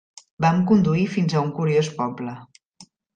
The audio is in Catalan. Vam conduir fins a un curiós poble.